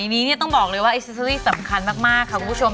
สมัยนี้เนี้ยต้องบอกเลยว่าสำคัญมากมากค่ะคุณผู้ชม